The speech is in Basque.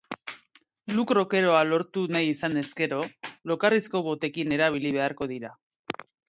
Look rockeroa lortu nahi izan ezkero, lokarrizko botekin erabili beharko dira.